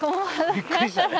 びっくりしたね。